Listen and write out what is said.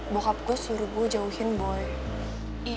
bokap gue suruh gue jauhin boleh